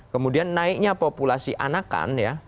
kemudian naiknya populasi anakan ya